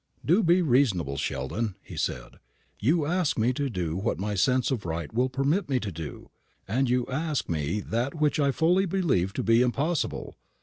"Do be reasonable, Sheldon," he said. "You ask me to do what my sense of right will not permit me to do, and you ask me that which I fully believe to be impossible.